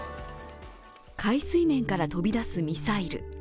海水面から飛び出すミサイル。